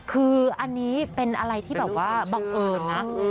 คืออันนี้เป็นอะไรที่แบบว่าบังเอิญนะ